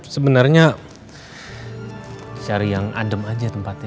sebenarnya cari yang adem aja tempatnya